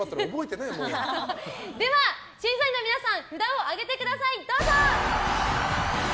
では審査員の皆さん札を上げてください。